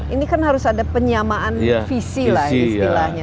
ini kan harus ada penyamaan visi lah istilahnya